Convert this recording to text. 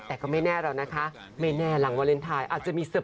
แต่ก็ไม่แน่แล้วนะคะไม่แน่หลังวาเลนไทยอาจจะมีเซอร์